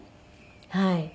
はい。